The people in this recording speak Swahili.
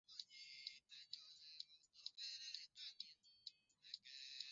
Hata hivyo viongozi wa vyama vya wafanyakazi wameonya kuwa wataanza tena mgomo huo